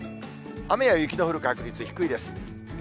雨や雪の降る確率、低いです。